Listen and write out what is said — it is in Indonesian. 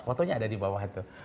fotonya ada di bawah itu